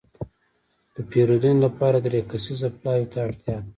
د پېرودنې لپاره دری کسیز پلاوي ته اړتياده.